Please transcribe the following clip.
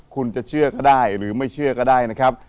คุณจะเชื่อก็ได้หรือไม่เชื่อก็ได้นะครับ